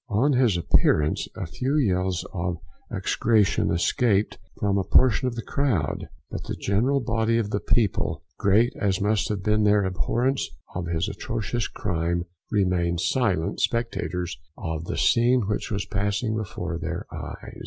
On his appearance a few yells of execration escaped from a portion of the crowd; but the general body of the people, great as must have been their abhorrence of his atrocious crime, remained silent spectators of the scene which was passing before their eyes.